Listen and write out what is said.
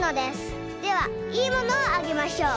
ではいいものをあげましょう。